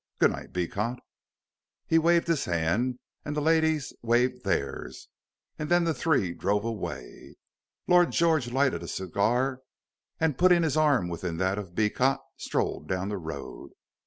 Good night, Beecot." He waved his hand, and the ladies waved theirs, and then the three drove away. Lord George lighted a cigar, and putting his arm within that of Beecot, strolled down the road.